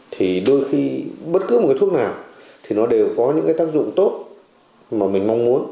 thì đôi khi bất cứ một cái thuốc nào thì nó đều có những cái tác dụng tốt mà mình mong muốn